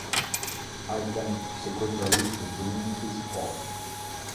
I thank the Secretary for doing his part.